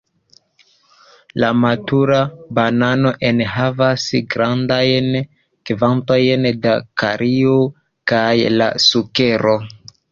La matura banano enhavas grandajn kvantojn da kalio kaj da sukero.